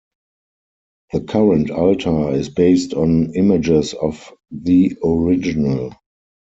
The current altar is based on images of the original.